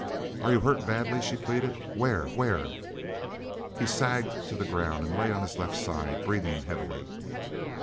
"Are you hurt badly?" she pleaded. "Where? Where?" He sagged to the ground and lay on his left side, breathing heavily.